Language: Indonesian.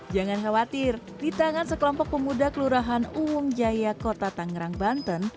jangan khawatir di tangan sekelompok pemuda kelurahan uung jaya kota tangerang banten